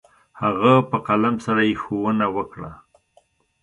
هغه په قلم سره يې ښوونه وكړه.